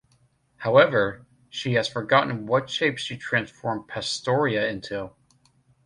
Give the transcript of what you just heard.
However, she has forgotten what shape she transformed Pastoria into.